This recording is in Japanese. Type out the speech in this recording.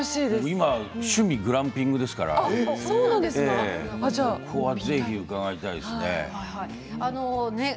今、趣味がグランピングですからここはぜひ伺いたいですね。